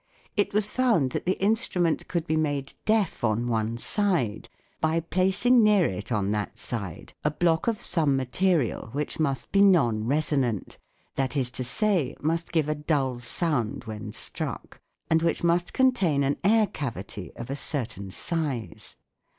It was found that the instrument could be made deaf on one side by placing near it on that side a block of some material which must be non resonant (that is to say, must give a dull sound when struck) and which must contain an air cavity of a certain size.